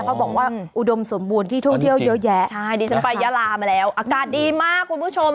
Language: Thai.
เขาบอกว่าอุดมสมบูรณ์ที่ท่องเที่ยวเยอะแยะใช่ดิฉันไปยาลามาแล้วอากาศดีมากคุณผู้ชม